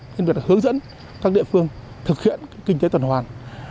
với việc hướng dẫn các địa phương thực hiện kinh tế tuần hoàn